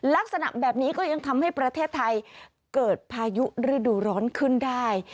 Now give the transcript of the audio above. ลักษณะแบบนี้ก็ยังทำให้ประเทศไทยเกิดพายุฤดูร้อนขึ้นได้